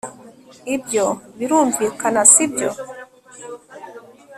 ibyo birumvikana, sibyo